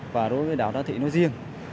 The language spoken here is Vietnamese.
và đối với đảo đa thị nói riêng